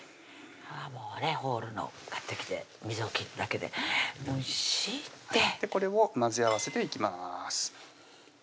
もうねホールのを買ってきて水を切るだけでおいしいってこれを混ぜ合わせていきます